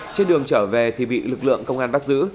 trên đường trở về thì bị lực lượng công an bắt giữ